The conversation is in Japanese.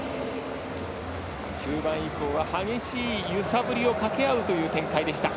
中盤以降は激しい揺さぶりをかけあうという展開でした。